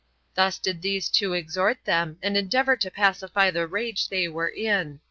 Thus did these two exhort them, and endeavor to pacify the rage they were in.